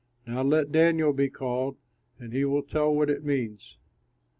Now let Daniel be called, and he will tell what it means."